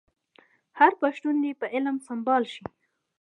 هر پښتون دي په علم سمبال شي.